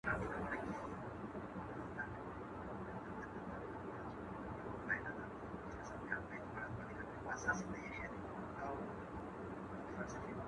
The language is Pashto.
لويه جرګه به د هېواد د اوږدمهاله اقتصادي پرمختګ بنسټ کښيږدي.